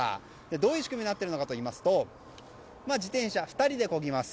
どういう仕組みかといいますと自転車、２人でこぎます。